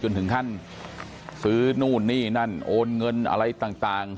ถึงขั้นซื้อนู่นนี่นั่นโอนเงินอะไรต่าง